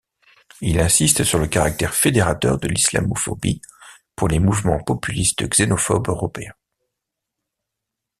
Il insiste sur le caractère fédérateur de l'islamophobie pour les mouvements populistes xénophobes européens.